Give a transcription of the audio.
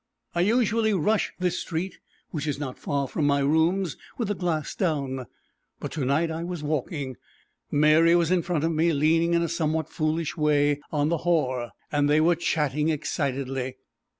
I usually rush this street, which is not far from my rooms, with the glass down, but to night I was walking. Mary was in front of me, leaning in a somewhat foolish way on the haw er, and they were chatting excitedly.